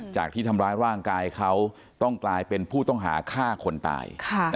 จากที่ทำร้ายร่างกายเขาต้องกลายเป็นผู้ต้องหาฆ่าคนตาย